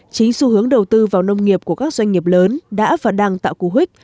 chính xu hướng đầu tư vào nông nghiệp của các doanh nghiệp lớn đã và đang tạo cú huyết